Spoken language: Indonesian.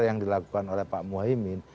yang dilakukan oleh pak muhaymin